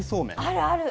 あるある。